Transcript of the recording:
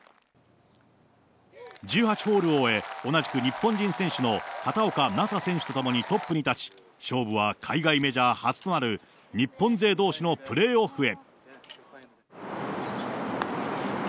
１８ホールを終え、同じく日本人選手の畑岡菜紗選手と共にトップに立ち、勝負は海外メジャー初となる、日本勢どうしのプレーオフへ。